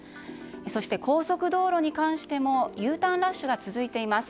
そして高速道路に関してもＵターンラッシュが続いています。